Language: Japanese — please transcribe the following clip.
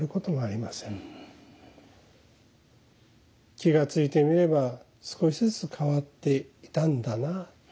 気がついてみれば少しずつ変わっていたんだな。